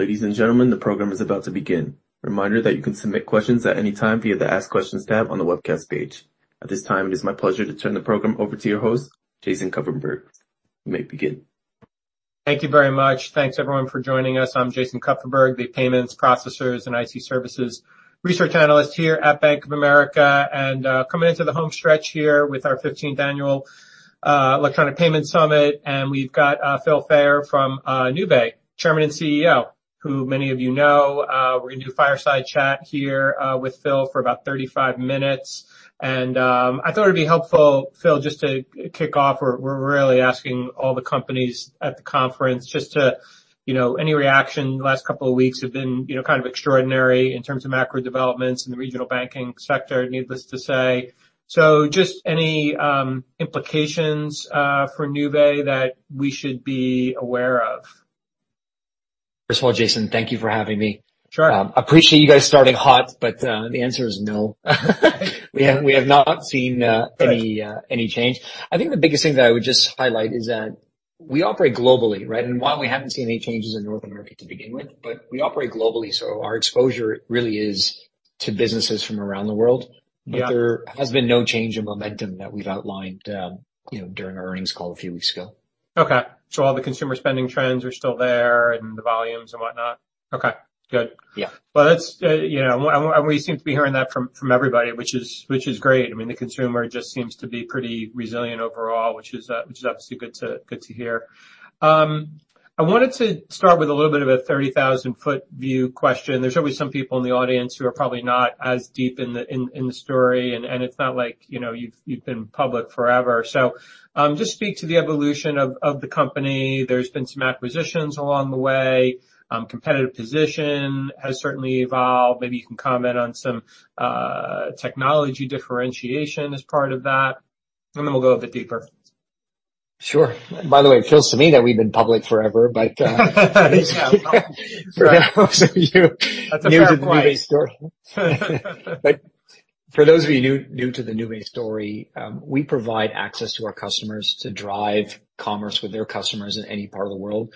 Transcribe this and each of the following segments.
Ladies and gentlemen, the program is about to begin. Reminder that you can submit questions at any time via the Ask Questions tab on the webcast page. At this time, it is my pleasure to turn the program over to your host, Jason Kupferberg. You may begin. Thank you very much. Thanks everyone for joining us. I'm Jason Kupferberg, the Payments, Processors & IT Services Research Analyst here at Bank of America, and coming into the home stretch here with our 15th annual Electronic Payments Symposium. We've got Phil Fayer from Nuvei, Chairman and CEO, who many of you know. We're gonna do a fireside chat here with Phil for about 35 minutes. I thought it'd be helpful, Phil, just to kick off. We're really asking all the companies at the conference just to, you know, any reaction. The last couple of weeks have been, you know, kind of extraordinary in terms of macro developments in the regional banking sector, needless to say. Just any implications for Nuvei that we should be aware of? First of all, Jason, thank you for having me. Sure. Appreciate you guys starting hot, but the answer is no. We have not seen any change. I think the biggest thing that I would just highlight is that we operate globally, right? While we haven't seen any changes in North America to begin with, but we operate globally, so our exposure really is to businesses from around the world. Yeah. There has been no change in momentum that we've outlined, you know, during our earnings call a few weeks ago. Okay. All the consumer spending trends are still there and the volumes and whatnot? Okay. Good. Yeah. Well, that's, you know, we seem to be hearing that from everybody, which is great. I mean, the consumer just seems to be pretty resilient overall, which is obviously good to hear. I wanted to start with a little bit of a 30,000 foot view question. There's always some people in the audience who are probably not as deep in the story, and it's not like, you know, you've been public forever. Just speak to the evolution of the company. There's been some acquisitions along the way. Competitive position has certainly evolved. Maybe you can comment on some technology differentiation as part of that, and then we'll go a bit deeper. Sure. By the way, it feels to me that we've been public forever, but. That's a fair point. For those of you new to the Nuvei story. For those of you new to the Nuvei story, we provide access to our customers to drive commerce with their customers in any part of the world.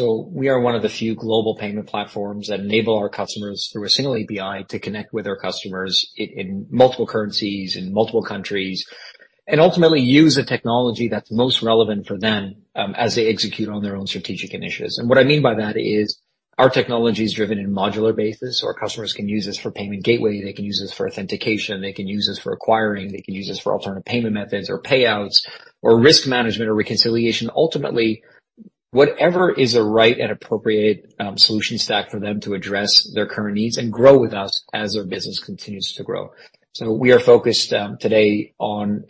We are one of the few global payment platforms that enable our customers through a single API to connect with their customers in multiple currencies, in multiple countries, and ultimately use the technology that's most relevant for them as they execute on their own strategic initiatives. What I mean by that is our technology is driven in modular basis. Our customers can use this for payment gateway, they can use this for authentication, they can use this for acquiring, they can use this for alternative payment methods or payouts, or risk management or reconciliation. Ultimately, whatever is a right and appropriate solution stack for them to address their current needs and grow with us as their business continues to grow. We are focused today on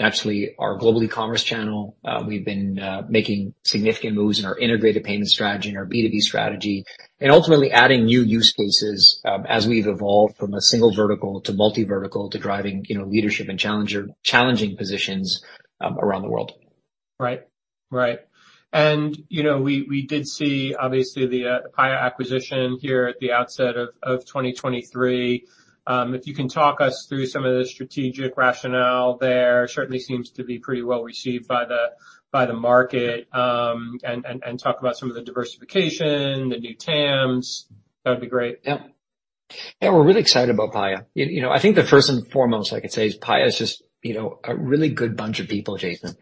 naturally our global e-commerce channel. We've been making significant moves in our integrated payment strategy and our B2B strategy, and ultimately adding new use cases as we've evolved from a single vertical to multi vertical to driving, you know, leadership and challenging positions around the world. Right. Right. You know, we did see obviously the Paya acquisition here at the outset of 2023. If you can talk us through some of the strategic rationale there. Certainly seems to be pretty well received by the, by the market. Talk about some of the diversification, the new TAMs. That'd be great. Yeah. Yeah, we're really excited about Paya. You know, I think the first and foremost I could say is Paya is just, you know, a really good bunch of people, Jason.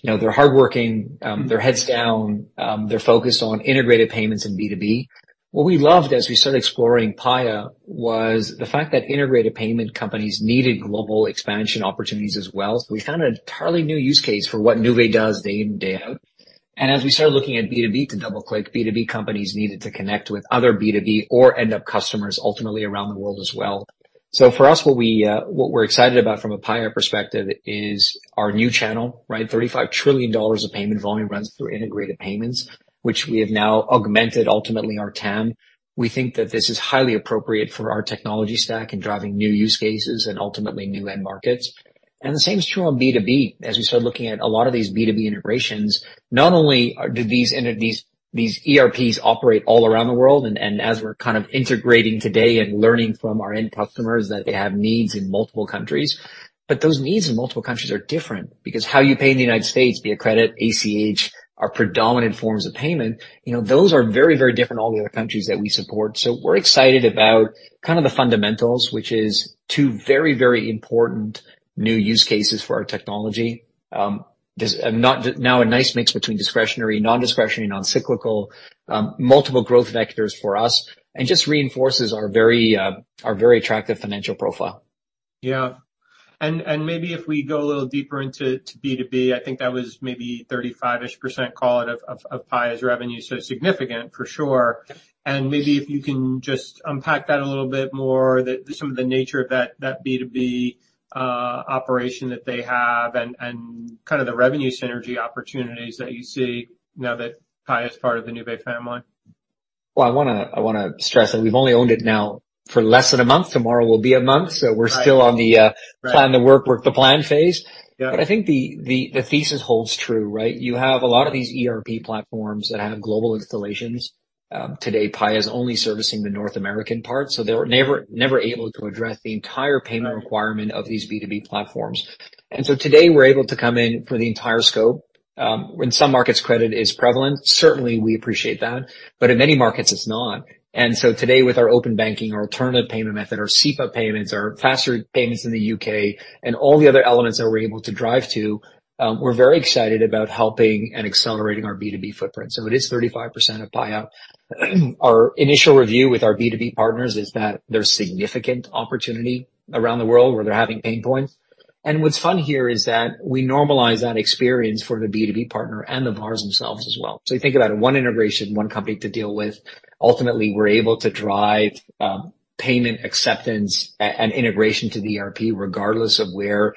You know, they're hardworking, they're heads down, they're focused on integrated payments in B2B. What we loved as we started exploring Paya was the fact that integrated payment companies needed global expansion opportunities as well. We found an entirely new use case for what Nuvei does day in, day out. As we started looking at B2B to double-click, B2B companies needed to connect with other B2B or end up customers ultimately around the world as well. For us, what we're excited about from a Paya perspective is our new channel, right? $35 trillion of payment volume runs through integrated payments, which we have now augmented ultimately our TAM. We think that this is highly appropriate for our technology stack in driving new use cases and ultimately new end markets. The same is true on B2B. As we start looking at a lot of these B2B integrations, not only do these ERPs operate all around the world, as we're kind of integrating today and learning from our end customers that they have needs in multiple countries, those needs in multiple countries are different because how you pay in the U.S., be it credit, ACH, are predominant forms of payment. You know, those are very, very different to all the other countries that we support. We're excited about kind of the fundamentals, which is two very, very important new use cases for our technology. There's now a nice mix between discretionary, non-discretionary, non-cyclical, multiple growth vectors for us, and just reinforces our very, our very attractive financial profile. Yeah. Maybe if we go a little deeper into B2B, I think that was maybe 35%-ish call it of Paya's revenue, so significant for sure. Maybe if you can just unpack some of the nature of that B2B operation that they have and kind of the revenue synergy opportunities that you see now that Paya is part of the Nuvei family. Well, I wanna stress that we've only owned it now for less than a month. Tomorrow will be a month. Right. We're still on the. Right... plan the work the plan phase. Yeah. I think the thesis holds true, right? You have a lot of these ERP platforms that have global installations. Today, Paya is only servicing the North American part, so they were never able to address the entire payment requirement of these B2B platforms. Today, we're able to come in for the entire scope. In some markets, credit is prevalent, certainly we appreciate that, but in many markets it's not. Today with our open banking, our alternative payment method, our SEPA payments, our Faster Payments in the UK and all the other elements that we're able to drive to, we're very excited about helping and accelerating our B2B footprint. It is 35% of Paya. Our initial review with our B2B partners is that there's significant opportunity around the world where they're having pain points. What's fun here is that we normalize that experience for the B2B partner and the partners themselves as well. You think about one integration, one company to deal with. Ultimately, we're able to drive payment acceptance and integration to the ERP, regardless of where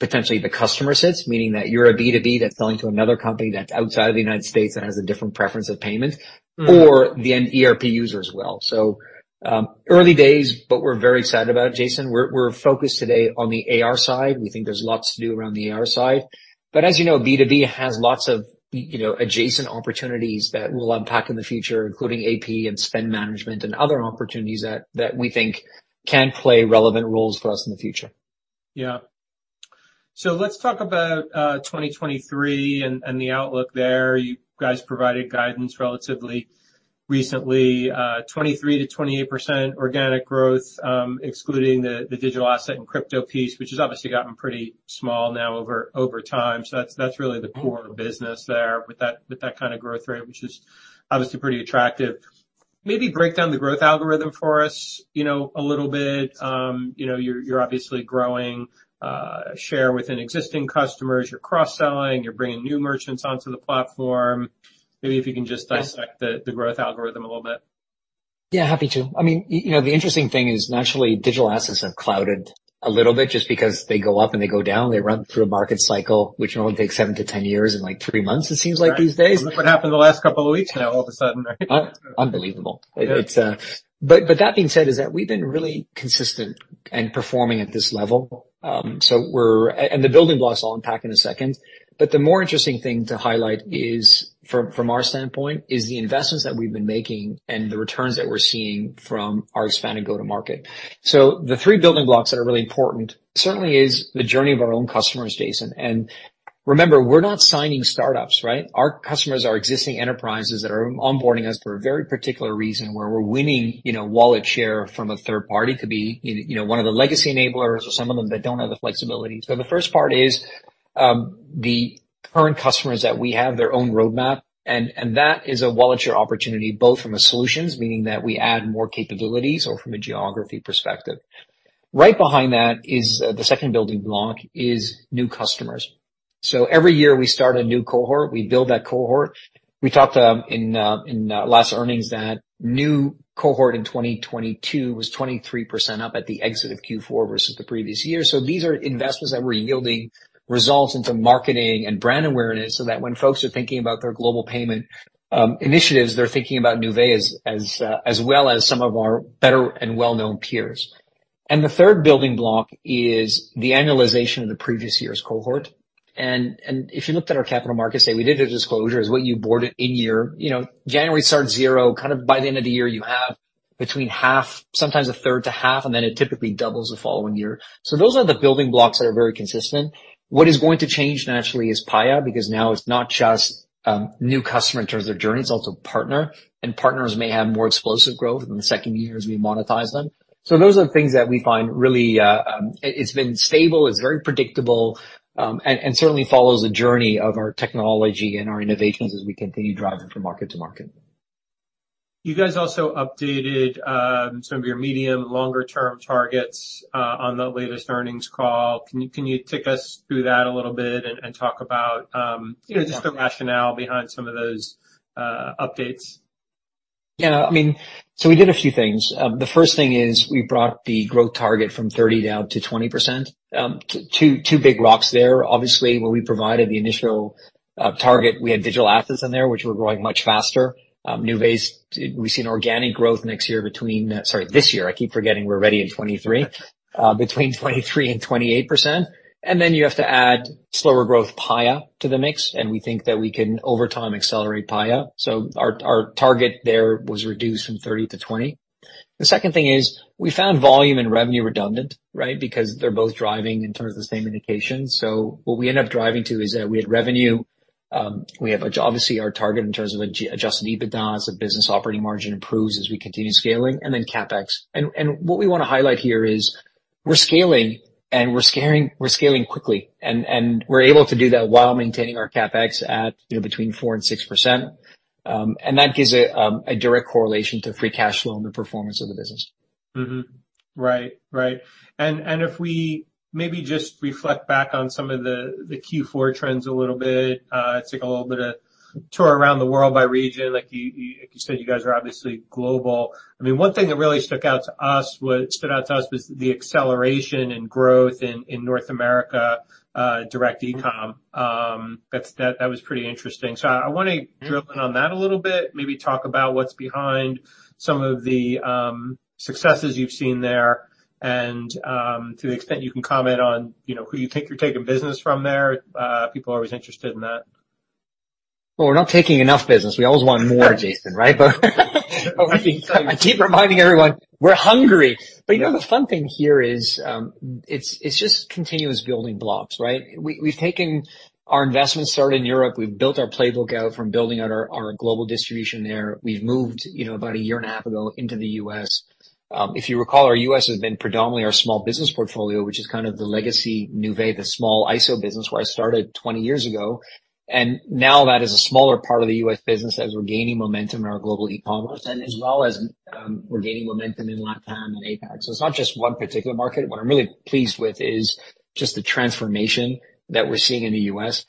potentially the customer sits, meaning that you're a B2B that's selling to another company that's outside of the United States and has a different preference of payment or the end ERP user as well. Early days, but we're very excited about it, Jason. We're, we're focused today on the AR side. We think there's lots to do around the AR side. As you know, B2B has lots of you know, adjacent opportunities that we'll unpack in the future, including AP and spend management and other opportunities that we think can play relevant roles for us in the future. Yeah. Let's talk about 2023 and the outlook there. You guys provided guidance relatively recently, 23%-28% organic growth, excluding the digital asset and crypto piece, which has obviously gotten pretty small now over time. That's really the core business there with that kind of growth rate, which is obviously pretty attractive. Maybe break down the growth algorithm for us, you know, a little bit. You know, you're obviously growing share within existing customers. You're cross-selling, you're bringing new merchants onto the platform. Maybe if you can just dissect the growth algorithm a little bit. Yeah, happy to. I mean, you know, the interesting thing is naturally digital assets have clouded a little bit just because they go up and they go down, they run through a market cycle, which normally takes 7-10 years, in, like, 3 months it seems like these days. Look what happened the last couple of weeks now all of a sudden. Unbelievable. It's. That being said, is that we've been really consistent in performing at this level. We're. The building blocks I'll unpack in a second, but the more interesting thing to highlight is from our standpoint, is the investments that we've been making and the returns that we're seeing from our expanded go-to-market. The three building blocks that are really important certainly is the journey of our own customers, Jason. Remember, we're not signing startups, right? Our customers are existing enterprises that are onboarding us for a very particular reason, where we're winning, you know, wallet share from a third party. It could be, you know, one of the legacy enablers or some of them that don't have the flexibility. The first part is the current customers that we have, their own roadmap, and that is a wallet share opportunity, both from a solutions, meaning that we add more capabilities or from a geography perspective. Right behind that is the second building block, is new customers. Every year we start a new cohort, we build that cohort. We talked in last earnings that new cohort in 2022 was 23% up at the exit of fourth quarter versus the previous year. These are investments that were yielding results into marketing and brand awareness, so that when folks are thinking about their global payment initiatives, they're thinking about Nuvei as well as some of our better and well-known peers. The third building block is the annualization of the previous year's cohort. If you looked at our capital markets today, we did a disclosure, is what you board it in year. You know, January starts 0. Kind of by the end of the year, you have between half, sometimes a third to half, and then it typically doubles the following year. Those are the building blocks that are very consistent. What is going to change naturally is Paya, because now it's not just new customer in terms of their journey, it's also partner, and partners may have more explosive growth in the second year as we monetize them. Those are the things that we find really, it's been stable, it's very predictable, and certainly follows the journey of our technology and our innovations as we continue driving from market to market. You guys also updated some of your medium and longer term targets on the latest earnings call. Can you take us through that a little bit and talk about, you know, just the rationale behind some of those updates? I mean, we did a few things. The first thing is we brought the growth target from 30% down to 20%. Two big rocks there. Obviously, when we provided the initial target, we had digital assets in there which were growing much faster. We've seen organic growth next year between this year. I keep forgetting we're already in 2023. Between 23% and 28%. You have to add slower growth Paya to the mix, and we think that we can over time accelerate Paya. Our target there was reduced from 30% to 20%. The second thing is we found volume and revenue redundant, right? Because they're both driving in terms of the same indication. What we end up driving to is that we had revenue, we have obviously our target in terms of Adjusted EBITDA as the business operating margin improves as we continue scaling, CapEx. What we wanna highlight here is we're scaling quickly. We're able to do that while maintaining our CapEx at, you know, between 4% and 6%. That gives a direct correlation to free cash flow and the performance of the business. Mm-hmm. Right. Right. If we maybe just reflect back on some of the Q4 trends a little bit, Tour around the world by region, like you said, you guys are obviously global. I mean, one thing that really stood out to us was the acceleration and growth in North America, direct e-com. That was pretty interesting. Mm-hmm. -drill in on that a little bit, maybe talk about what's behind some of the successes you've seen there and to the extent you can comment on, you know, who you think you're taking business from there, people are always interested in that. We're not taking enough business. We always want more, Jason, right? I keep reminding everyone we're hungry. You know, the fun thing here is, it's just continuous building blocks, right? We, we've taken our investment started in Europe. We've built our playbook out from building out our global distribution there. We've moved, you know, about a year and a half ago into the U.S. If you recall, our U.S. has been predominantly our small business portfolio, which is kind of the legacy Nuvei, the small ISO business where I started 20 years ago. Now that is a smaller part of the U.S. business as we're gaining momentum in our global e-commerce. As well as, we're gaining momentum in LatAm and APAC. It's not just one particular market. What I'm really pleased with is just the transformation that we're seeing in the U.S.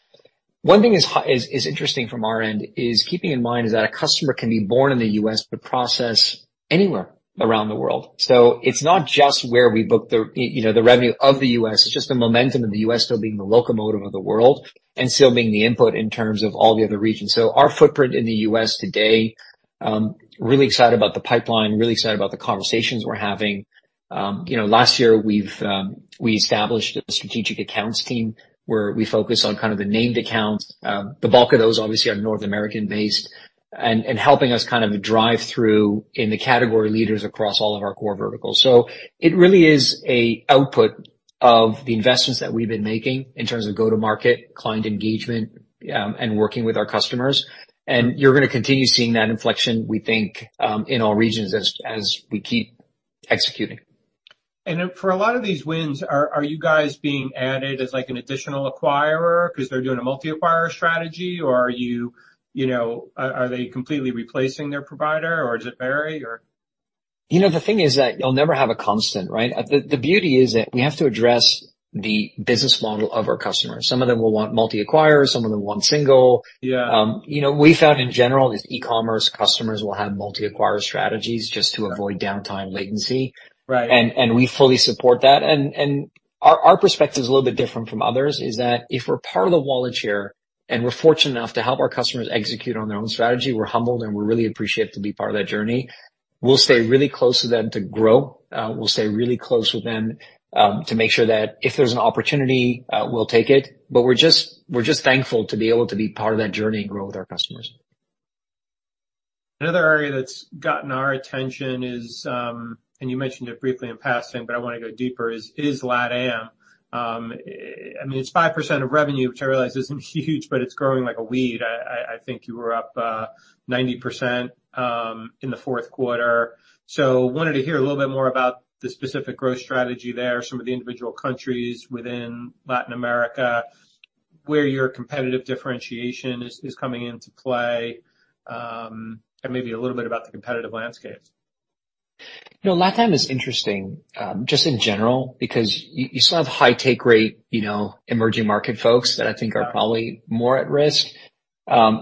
One thing is interesting from our end is keeping in mind is that a customer can be born in the U.S. but process anywhere around the world. It's not just where we book the, you know, the revenue of the U.S., it's just the momentum of the U.S. still being the locomotive of the world and still being the input in terms of all the other regions. You know, last year we've, we established a strategic accounts team where we focus on kind of the named accounts. The bulk of those obviously are North American-based and helping us kind of drive through in the category leaders across all of our core verticals. It really is a output of the investments that we've been making in terms of go-to-market, client engagement, and working with our customers. You're gonna continue seeing that inflection, we think, in all regions as we keep executing. For a lot of these wins, are you guys being added as like an additional acquirer 'cause they're doing a multi-acquirer strategy? Are you know, are they completely replacing their provider, or does it vary, or? You know, the thing is that you'll never have a constant, right? The beauty is that we have to address the business model of our customers. Some of them will want multi-acquirers, some of them want single. Yeah. you know, we found in general is e-commerce customers will have multi-acquirer strategies just to avoid downtime latency. Right. We fully support that. Our perspective is a little bit different from others is that if we're part of the wallet share and we're fortunate enough to help our customers execute on their own strategy, we're humbled, and we really appreciate to be part of that journey. We'll stay really close to them to grow. We'll stay really close with them to make sure that if there's an opportunity, we'll take it. We're just thankful to be able to be part of that journey and grow with our customers. Another area that's gotten our attention is, you mentioned it briefly in passing, but I wanna go deeper, is LatAm. I mean, it's 5% of revenue, which I realize isn't huge, but it's growing like a weed. I think you were up 90% in the fourth quarter. Wanted to hear a little bit more about the specific growth strategy there, some of the individual countries within Latin America, where your competitive differentiation is coming into play, and maybe a little bit about the competitive landscape. You know, LatAm is interesting, just in general because you still have high take rate, you know, emerging market folks that I think are probably more at risk.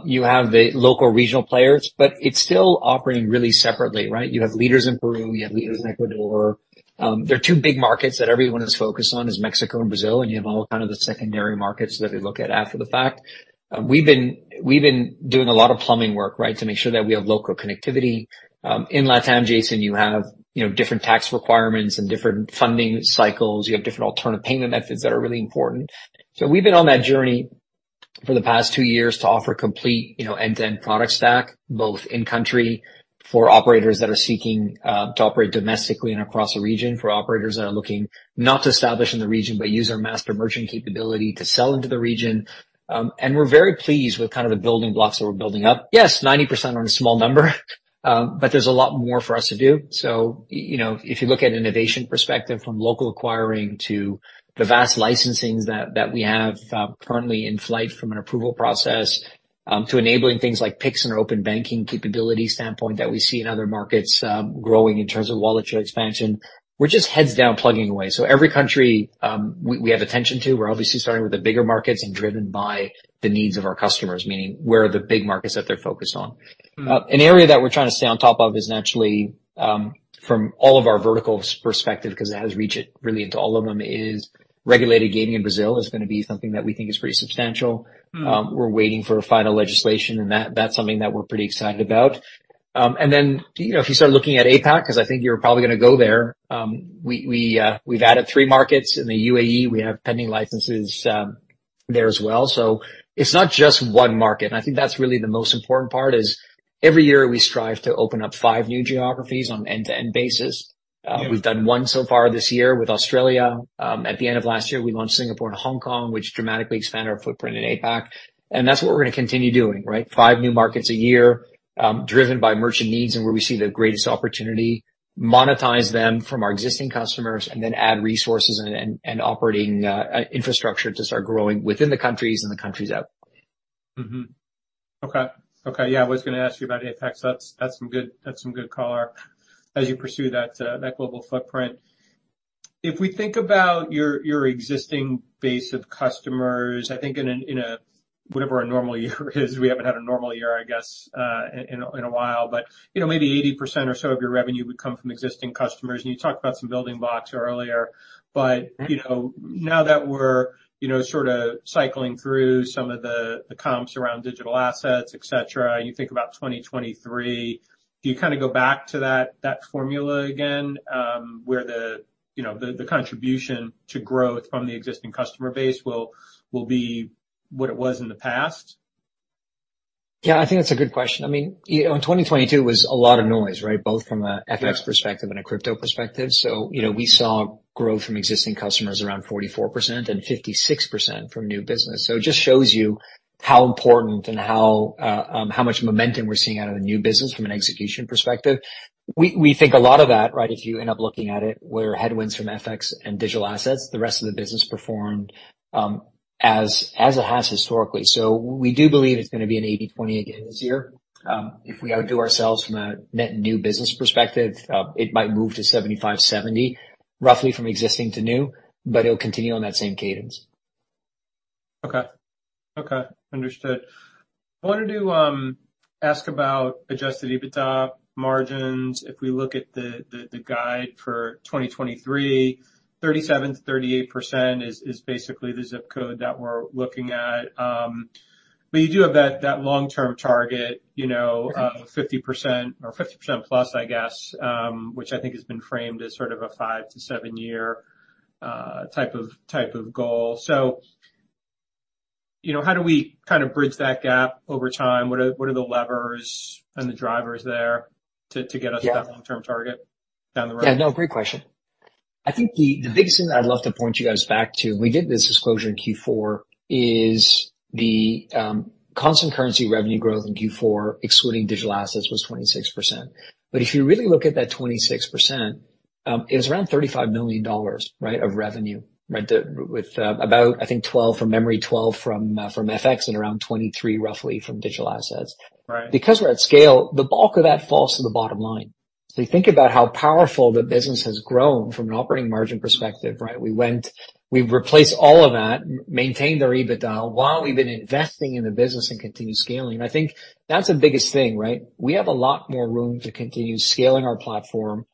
You have the local regional players, it's still operating really separately, right? You have leaders in Peru, you have leaders in Ecuador. There are 2 big markets that everyone is focused on is Mexico and Brazil, and you have all kind of the secondary markets that they look at after the fact. We've been doing a lot of plumbing work, right, to make sure that we have local connectivity. In LatAm, Jason, you have, you know, different tax requirements and different funding cycles. You have different alternate payment methods that are really important. We've been on that journey for the past 2 years to offer complete, you know, end-to-end product stack, both in country for operators that are seeking to operate domestically and across the region, for operators that are looking not to establish in the region, but use our master merchant capability to sell into the region. We're very pleased with kind of the building blocks that we're building up. Yes, 90% on a small number, but there's a lot more for us to do. You know, if you look at innovation perspective, from local acquiring to the vast licensing's that we have currently in flight from an approval process, to enabling things like Pix and open banking capability standpoint that we see in other markets, growing in terms of wallet share expansion, we're just heads down plugging away. Every country, we have attention to, we're obviously starting with the bigger markets and driven by the needs of our customers, meaning where are the big markets that they're focused on. An area that we're trying to stay on top of is naturally, from all of our verticals perspective, cause it has reach really into all of them, is Regulated Gaming in Brazil is gonna be something that we think is pretty substantial. Mm. We're waiting for final legislation, that's something that we're pretty excited about. You know, if you start looking at APAC, cause I think you're probably gonna go there, we've added three markets. In the UAE, we have pending licenses there as well. It's not just one market, and I think that's really the most important part is every year we strive to open up five new geographies on end-to-end basis. We've done one so far this year with Australia. At the end of last year, we launched Singapore and Hong Kong, which dramatically expanded our footprint in APAC. That's what we're gonna continue doing, right? Five new markets a year, driven by merchant needs and where we see the greatest opportunity, monetize them from our existing customers, and then add resources and operating infrastructure to start growing within the countries and the countries out. Mm-hmm. Okay. Okay. Yeah, I was gonna ask you about APAC. That's some good color as you pursue that global footprint. If we think about your existing base of customers, I think in a, whatever a normal year is, we haven't had a normal year, I guess, in a while. You know, maybe 80% or so of your revenue would come from existing customers, and you talked about some building blocks earlier. Mm-hmm. you know, now that we're, you know, sorta cycling through some of the comps around digital assets, et cetera, you think about 2023, do you kind of go back to that formula again, where the, you know, the contribution to growth from the existing customer base will be what it was in the past? Yeah, I think that's a good question. I mean, you know, in 2022 was a lot of noise, right? Both from a FX perspective and a crypto perspective. You know, we saw growth from existing customers around 44% and 56% from new business. It just shows you how important and how much momentum we're seeing out of the new business from an execution perspective. We think a lot of that, right, if you end up looking at it, were headwinds from FX and digital assets. The rest of the business performed as it has historically. We do believe it's gonna be an 80/20 again this year. If we outdo ourselves from a net new business perspective, it might move to 75/70, roughly from existing to new, but it'll continue on that same cadence. Okay. Okay. Understood. I wanted to ask about Adjusted EBITDA margins. If we look at the guide for 2023, 37% to 38% is basically the ZIP code that we're looking at. You do have that long-term target, you know... Mm-hmm. 50% or 50% plus, I guess, which I think has been framed as sort of a 5-7 year, type of goal. You know, how do we kind of bridge that gap over time? What are the levers and the drivers there to get us. Yeah. to that long-term target down the road? Yeah. No, great question. I think the biggest thing that I'd love to point you guys back to, we did this disclosure in Q4, is the constant currency revenue growth in Q4, excluding digital assets, was 26%. If you really look at that 26%, it was around $35 million, right, of revenue, right? With about, I think, $12 million, from memory, $12 million from FX and around $23 million roughly from digital assets. Right. Because we're at scale, the bulk of that falls to the bottom line. You think about how powerful the business has grown from an operating margin perspective, right? We've replaced all of that, maintained our EBITDA while we've been investing in the business and continue scaling, and I think that's the biggest thing, right? We have a lot more room to continue scaling our platform.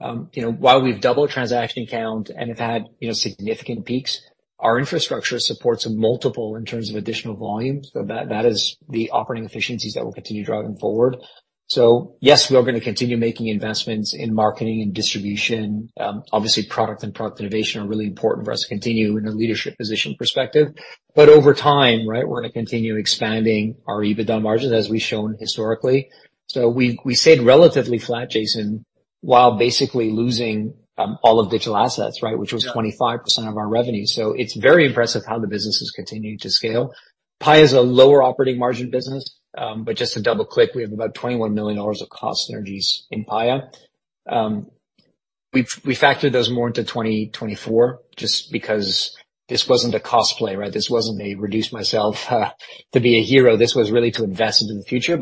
You know, while we've doubled transaction count and have had, you know, significant peaks, our infrastructure supports multiple in terms of additional volume. That is the operating efficiencies that we'll continue driving forward. Yes, we are gonna continue making investments in marketing and distribution. Obviously, product and product innovation are really important for us to continue in a leadership position perspective. Over time, right, we're gonna continue expanding our EBITDA margins, as we've shown historically. We stayed relatively flat, Jason, while basically losing all of digital assets, right? Yeah. Which was 25% of our revenue. It's very impressive how the business has continued to scale. Paya is a lower operating margin business, just to double-click, we have about $21 million of cost synergies in Paya. We factored those more into 2024 just because this wasn't a cost play, right? This wasn't a reduce myself to be a hero. This was really to invest into the future.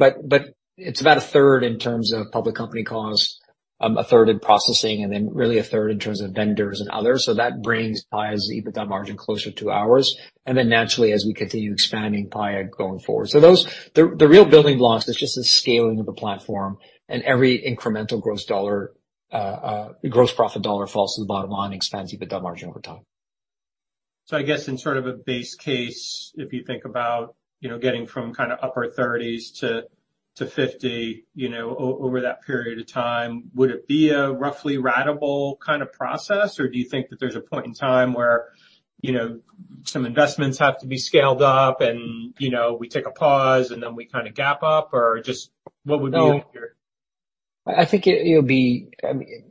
It's about a third in terms of public company cost, a third in processing, and then really a third in terms of vendors and others. That brings Paya's EBITDA margin closer to ours, and then naturally, as we continue expanding Paya going forward. The real building blocks is just the scaling of the platform, and every incremental gross dollar, gross profit dollar falls to the bottom line, expands EBITDA margin over time. I guess in sort of a base case, if you think about, you know, getting from kind of upper 30s to 50, you know, over that period of time, would it be a roughly ratable kind of process? Or do you think that there's a point in time where, you know, some investments have to be scaled up and, you know, we take a pause and then we kind of gap up? Or just what would be your-? No, I think it'll be,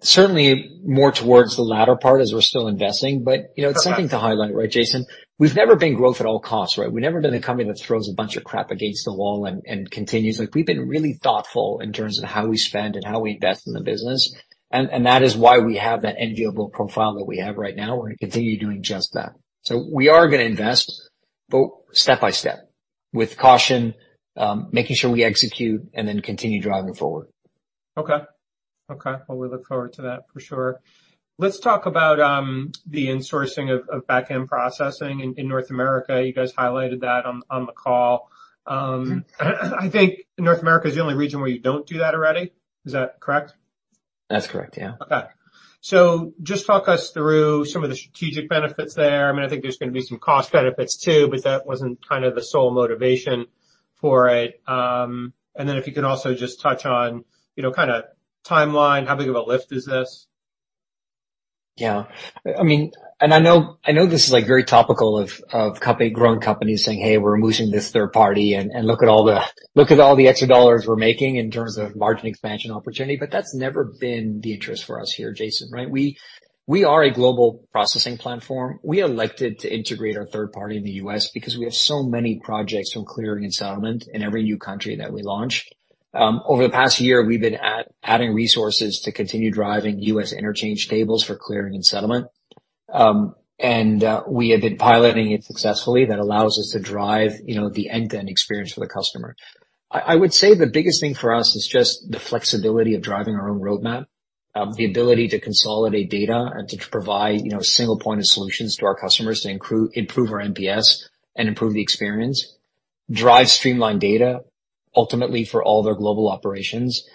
certainly more towards the latter part as we're still investing. You know, it's something to highlight, right, Jason? We've never been growth at all costs, right? We've never been a company that throws a bunch of crap against the wall and continues. Like, we've been really thoughtful in terms of how we spend and how we invest in the business, and that is why we have that enviable profile that we have right now. We're gonna continue doing just that. We are gonna invest, but step by step with caution, making sure we execute and then continue driving forward. Okay. Okay. Well, we look forward to that for sure. Let's talk about the insourcing of back-end processing in North America. You guys highlighted that on the call. I think North America is the only region where you don't do that already. Is that correct? That's correct, yeah. Just talk us through some of the strategic benefits there. I mean, I think there's gonna be some cost benefits too, but that wasn't kind of the sole motivation for it. Then if you could also just touch on, you know, kinda timeline, how big of a lift is this? Yeah. I mean and I know, I know this is, like, very topical of growing companies saying, "Hey, we're losing this third party and look at all the extra dollars we're making in terms of margin expansion opportunity." That's never been the interest for us here, Jason, right? We are a global processing platform. We elected to integrate our third party in the U.S. because we have so many projects from clearing and settlement in every new country that we launch. Over the past year, we've been adding resources to continue driving U.S. interchange tables for clearing and settlement. We have been piloting it successfully. That allows us to drive, you know, the end-to-end experience for the customer. I would say the biggest thing for us is just the flexibility of driving our own roadmap, the ability to consolidate data and to provide, you know, single point of solutions to our customers to improve our NPS and improve the experience, drive streamlined data ultimately for all their global operations.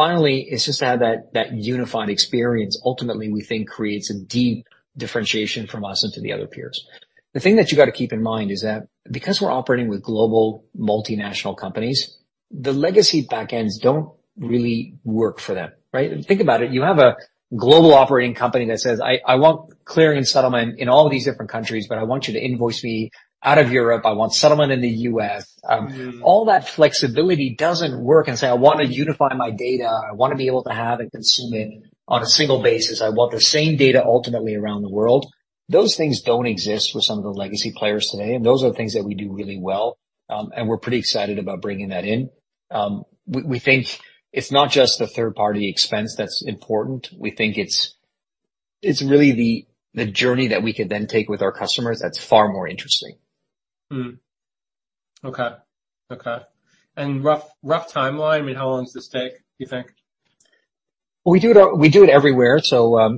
Finally, it's just to have that unified experience ultimately we think creates a deep differentiation from us into the other peers. The thing that you gotta keep in mind is that because we're operating with global multinational companies, the legacy backends don't really work for them, right? Think about it. You have a global operating company that says, "I want clearing settlement in all of these different countries, but I want you to invoice me out of Europe. I want settlement in the U.S. Mm. All that flexibility doesn't work and say, "I wanna unify my data. I wanna be able to have and consume it on a single basis. I want the same data ultimately around the world." Those things don't exist with some of the legacy players today, and those are things that we do really well, and we're pretty excited about bringing that in. We think it's not just the third party expense that's important. We think it's really the journey that we could then take with our customers that's far more interesting. Okay. Okay. rough timeline, I mean, how long does this take, do you think? We do it everywhere,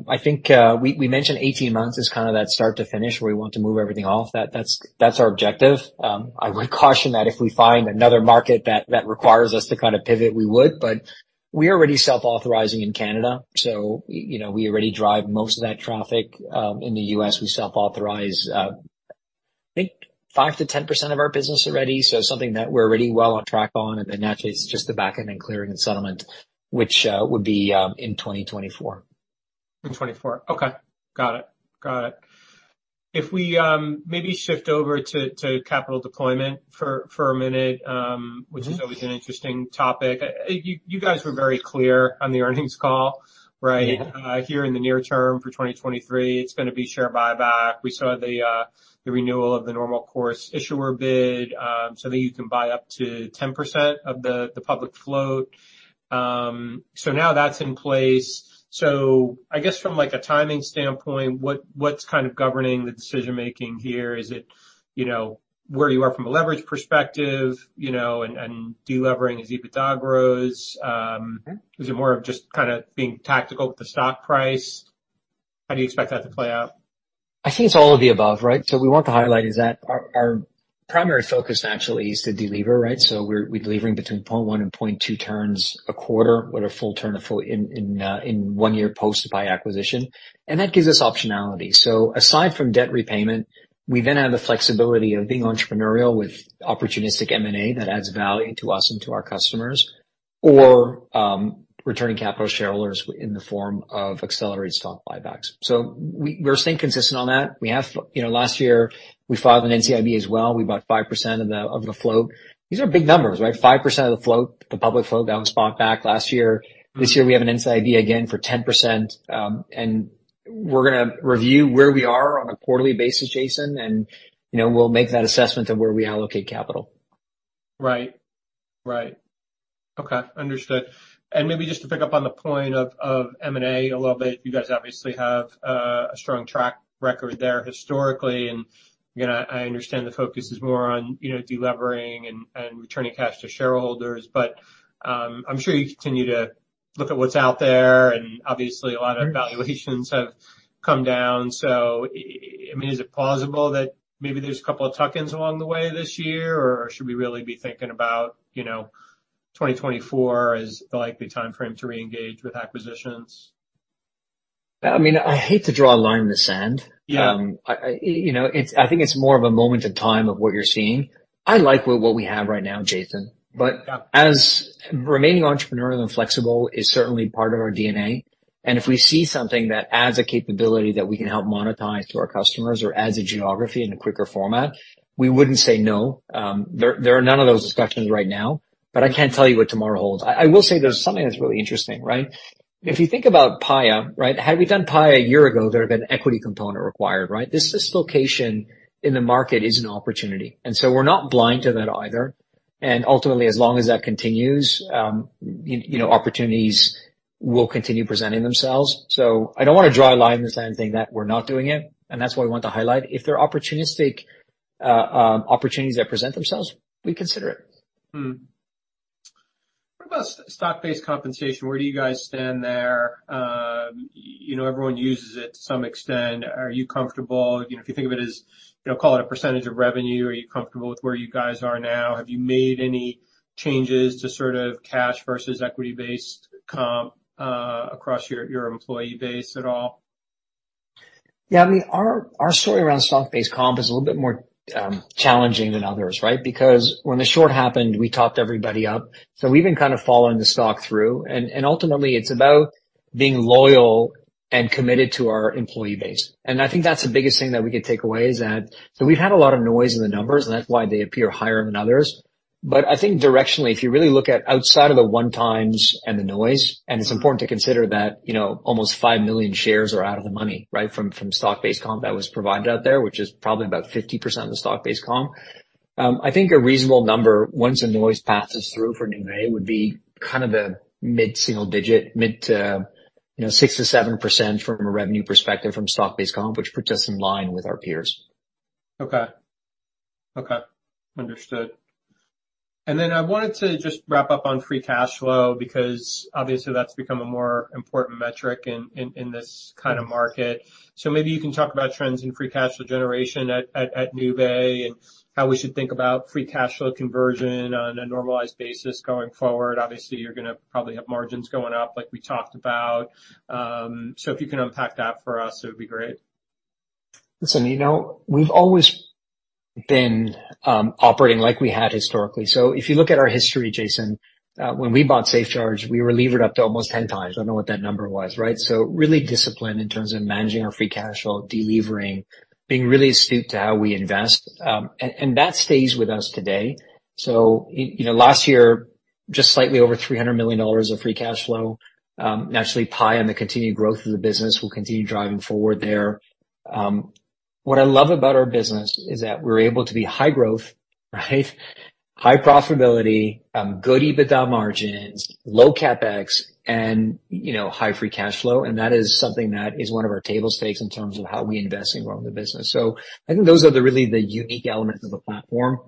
I think we mentioned 18 months is kind of that start to finish, where we want to move everything off that. That's our objective. I would caution that if we find another market that requires us to kind of pivot, we would. We're already self-authorizing in Canada, you know, we already drive most of that traffic. In the US, we self-authorize, I think 5%-10% of our business already, something that we're already well on track on. Naturally it's just the backend and clearing and settlement, which would be in 2024. In 2024. Okay. Got it. Got it. If we maybe shift over to capital deployment for a minute. Mm-hmm. Which is always an interesting topic. you guys were very clear on the earnings call, right? Yeah. Here in the near term for 2023, it's gonna be share buyback. We saw the renewal of the normal course issuer bid. That you can buy up to 10% of the public float. Now that's in place. I guess from like a timing standpoint, what's kind of governing the decision-making here? Is it, you know, where you are from a leverage perspective, you know, and delevering as EBITDA grows? Mm. Is it more of just kinda being tactical with the stock price? How do you expect that to play out? I think it's all of the above, right? We want to highlight is that our primary focus naturally is to delever, right? We're delivering between 0.1 and 0.2 turns a quarter with a 1 turn in 1 year post-buy acquisition. That gives us optionality. Aside from debt repayment, we then have the flexibility of being entrepreneurial with opportunistic M&A that adds value to us and to our customers or returning capital to shareholders in the form of accelerated stock buybacks. We're staying consistent on that. You know, last year, we filed an NCIB as well. We bought 5% of the float. These are big numbers, right? 5% of the float, the public float that was bought back last year. This year we have an NCIB again for 10%, and we're gonna review where we are on a quarterly basis, Jason, and, you know, we'll make that assessment of where we allocate capital. Right. Right. Okay. Understood. Maybe just to pick up on the point of M&A a little bit, you guys obviously have a strong track record there historically, and, you know, I understand the focus is more on, you know, delevering and returning cash to shareholders. I'm sure you continue to look at what's out there and obviously a lot of. Mm. valuations have come down. I mean, is it plausible that maybe there's a couple of tuck-ins along the way this year, or should we really be thinking about, you know, 2024 as the likely timeframe to reengage with acquisitions? I mean, I hate to draw a line in the sand. Yeah. I think it's more of a moment in time of what you're seeing. I like what we have right now, Jason. Yeah. Remaining entrepreneurial and flexible is certainly part of our DNA, and if we see something that adds a capability that we can help monetize to our customers or adds a geography in a quicker format, we wouldn't say no. There are none of those discussions right now, but I can't tell you what tomorrow holds. I will say there's something that's really interesting, right? If you think about Paya, right? Had we done Paya 1 year ago, there'd have been equity component required, right? This dislocation in the market is an opportunity, we're not blind to that either. Ultimately, as long as that continues, you know, opportunities will continue presenting themselves. I don't wanna draw a line in the sand saying that we're not doing it, and that's why we want to highlight. If there are opportunistic opportunities that present themselves, we'd consider it. What about stock-based compensation? Where do you guys stand there? You know, everyone uses it to some extent. Are you comfortable? You know, if you think of it as, you know, call it a % of revenue, are you comfortable with where you guys are now? Have you made any changes to sort of cash versus equity-based comp, across your employee base at all? Yeah. I mean, our story around stock-based comp is a little bit more challenging than others, right? Because when the short happened, we topped everybody up, so we've been kind of following the stock through. Ultimately, it's about being loyal and committed to our employee base. I think that's the biggest thing that we could take away, is that so we've had a lot of noise in the numbers, and that's why they appear higher than others. I think directionally, if you really look at outside of the one times and the noise, and it's important to consider that, you know, almost 5 million shares are out of the money, right, from stock-based comp that was provided out there, which is probably about 50% of the stock-based comp. I think a reasonable number once the noise passes through for Nuvei would be kind of a mid-single digit, mid to, you know, 6%-7% from a revenue perspective from stock-based comp, which puts us in line with our peers. Okay. Okay. Understood. Then I wanted to just wrap up on free cash flow because obviously that's become a more important metric in this kind of market. Maybe you can talk about trends in free cash flow generation at Nuvei and how we should think about free cash flow conversion on a normalized basis going forward. Obviously, you're gonna probably have margins going up like we talked about. If you can unpack that for us, it would be great. Listen, you know, we've always been operating like we had historically. If you look at our history, Jason, when we bought SafeCharge, we were levered up to almost 10 times. I don't know what that number was, right? Really disciplined in terms of managing our free cash flow, de-levering, being really astute to how we invest, and that stays with us today. You know, last year, just slightly over $300 million of free cash flow, naturally pie on the continued growth of the business. We'll continue driving forward there. What I love about our business is that we're able to be high growth, right? High profitability, good EBITDA margins, low CapEx and, you know, high free cash flow, and that is something that is one of our table stakes in terms of how we invest and grow the business.I think those are the really the unique elements of the platform.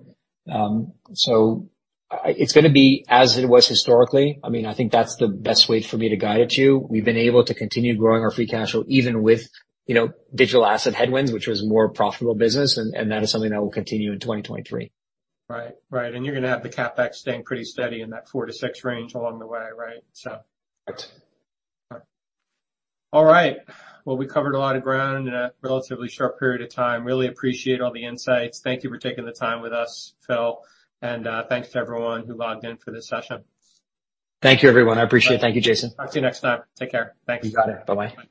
It's gonna be as it was historically. I mean, I think that's the best way for me to guide it to you. We've been able to continue growing our free cash flow even with, you know, digital asset headwinds, which was more profitable business and that is something that will continue in 2023. Right. Right. you're gonna have the CapEx staying pretty steady in that 4-6 range along the way, right? So. Right. All right. Well, we covered a lot of ground in a relatively short period of time. Really appreciate all the insights. Thank you for taking the time with us, Phil, and thanks to everyone who logged in for this session. Thank you, everyone. I appreciate it. Thank you, Jason. Talk to you next time. Take care. Thanks. You got it. Bye-bye. Bye.